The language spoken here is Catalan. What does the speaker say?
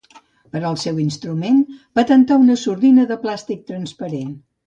Per al seu instrument patentà una sordina de plàstic transparent.